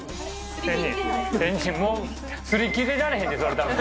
仙人、もう、すり切れられへんで、それたぶん。